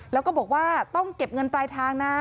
แล้วก็บอกว่าต้องเก็บเงินปลายทางนะ